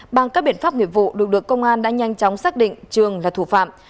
bằng các biện pháp nghiệp vụ được được công an đã nhanh chóng xác định trường là thủ phạm